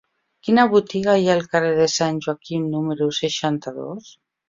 Quina botiga hi ha al carrer de Sant Joaquim número seixanta-dos?